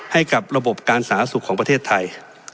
ให้กับระบบการสาธารณสุขของประเทศไทย